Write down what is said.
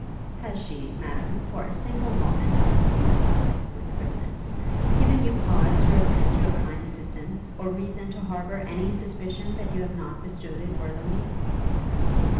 'Has she, Madam, for a single moment,' said Harleigh, with quickness, 'given you cause to repent your kind assistance, or reason to harbour any suspicion that you have not bestowed it worthily?'